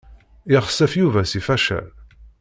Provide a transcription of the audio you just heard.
Yexsef Yuba seg facal.